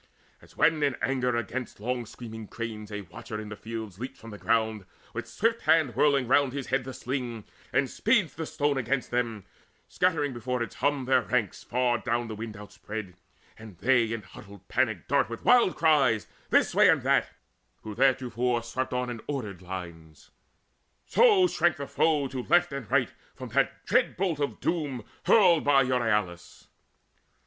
As when in anger against long screaming cranes A watcher of the field leaps from the ground, In swift hand whirling round his head the sling, And speeds the stone against them, scattering Before its hum their ranks far down the wind Outspread, and they in huddled panic dart With wild cries this way and that, who theretofore Swept on in ordered lines; so shrank the foe To right and left from that dread bolt of doom Hurled of Euryalus.